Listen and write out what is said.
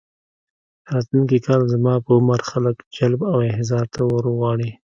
راتلونکي کال زما په عمر خلک جلب او احضار ته ورغواړي.